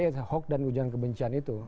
padahal ya hukum dan ujian kebencian itu